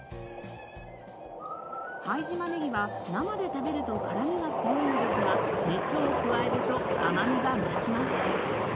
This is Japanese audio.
拝島ネギは生で食べると辛みが強いのですが熱を加えると甘みが増します。